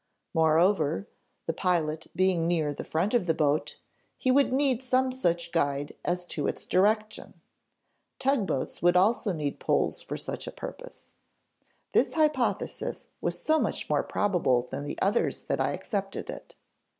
Moreover, the pilot being near the front of the boat, he would need some such guide as to its direction. Tugboats would also need poles for such a purpose. This hypothesis was so much more probable than the others that I accepted it.